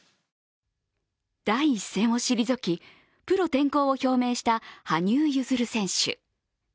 第一線を退き、プロ転向を表明した羽生結弦選手。